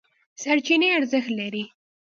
سرچینې ارزښت لري.